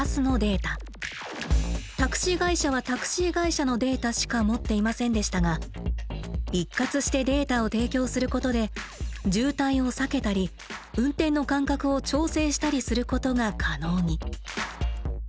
タクシー会社はタクシー会社のデータしか持っていませんでしたが一括してデータを提供することで渋滞を避けたり運転の間隔を調整したりすることが可能に。